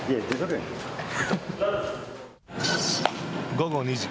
午後２時。